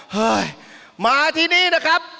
เฮ้ยมาที่นี่นะครับ